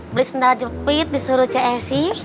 beli sendal jepit disuruh csi